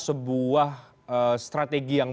sebuah strategi yang